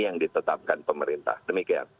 yang ditetapkan pemerintah demikian